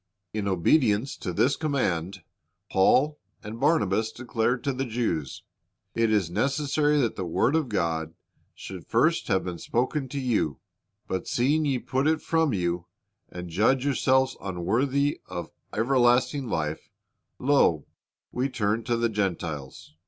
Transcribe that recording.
In obedience to this command, Paul and Barnabas declared to the Jews, "It was necessary that the word of God should first have been spoken to you ; but seeing ye put it from you, and judge yourselves unworthy of everlasting life, lo, we turn to the Gentiles.